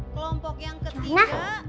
kelompok yang ketiga